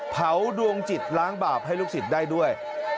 ดวงจิตล้างบาปให้ลูกศิษย์ได้ด้วย